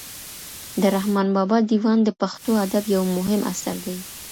د رحمان بابا دېوان د پښتو ادب یو مهم اثر دی.